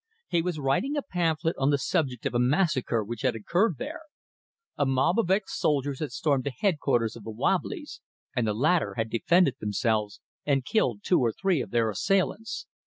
He was writing a pamphlet on the subject of a massacre which had occurred there. A mob of ex soldiers had stormed the headquarters of the "wobblies," and the latter had defended themselves, and killed two or three of their assailants.